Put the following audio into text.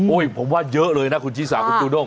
ผมว่าเยอะเลยนะคุณชิสาคุณจูด้ง